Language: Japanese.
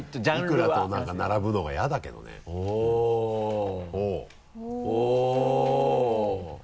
いくらと何か並ぶのは嫌だけどねおっ。ほぉ。